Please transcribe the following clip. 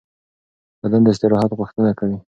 بدن د استراحت غوښتنه کوي.